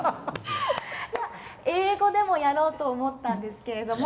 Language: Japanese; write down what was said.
英語でもやろうと思ったんですけれども。